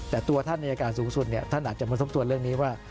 แต่ตัวท่านอายการสูงสุดท่านอาจจะมาทบทวนเรื่องนี้ว่า